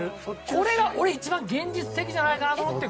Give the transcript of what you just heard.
これが俺、一番現実的じゃないかと思って。